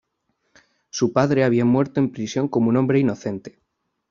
Su padre había muerto en prisión como un hombre inocente.